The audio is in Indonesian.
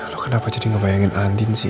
lo kenapa jadi ngebayangin andin sih